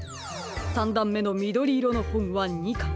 ３だんめのみどりいろのほんは２かん。